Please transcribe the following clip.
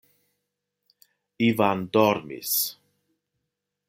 Ivan dormis.